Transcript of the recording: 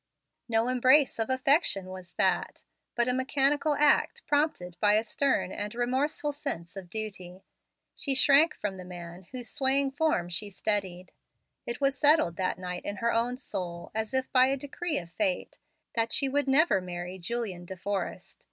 No embrace of affection was that, but a mechanical act prompted by a stern and remorseful sense of duty. She shrank from the man whose swaying form she steadied. It was settled that night in her own soul, as if by a decree of fate, that she would never marry Julian De Forrest.